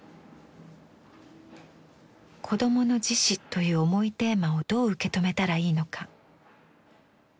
「子供の自死」という重いテーマをどう受け止めたらいいのか。